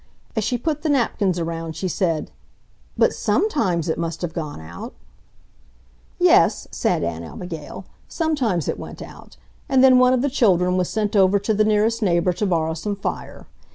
As she put the napkins around she said, "But SOMETIMES it must have gone out ..." "Yes," said Aunt Abigail, "sometimes it went out, and then one of the children was sent over to the nearest neighbor to borrow some fire.